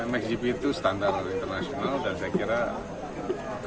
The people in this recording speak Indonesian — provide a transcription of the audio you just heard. msgp itu standar internasional dan saya kira